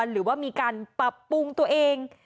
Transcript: หรือว่ามีการปรับปรุงตัวเอง